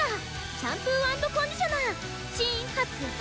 シャンプー＆コンディショナー新発売！